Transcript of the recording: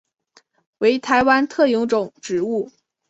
为台湾特有种植物。